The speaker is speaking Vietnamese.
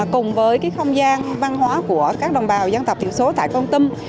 cùng với không gian văn hóa của các đồng bào dân tập tiểu số tại con tum